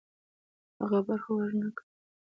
هغه برخه ورنه کړي.